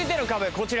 こちら。